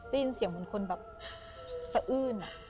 ได้ยินเสียงเหมือนคนแบบสะอื้น